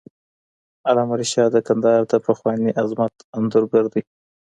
علامه رشاد د کندهار د پخواني عظمت انځورګر دی.